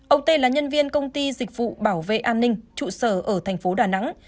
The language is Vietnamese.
ông tê là nhân viên công ty dịch vụ bảo vệ an ninh trụ sở ở thành phố đà nẵng